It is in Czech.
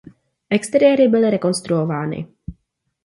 Exteriéry byly rekonstruovány.